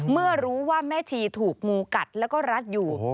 เมื่อรู้ว่าแม่ชีถูกงูกัดแล้วก็รัดอยู่